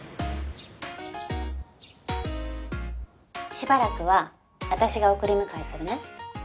しばらくは私が送り迎えするね。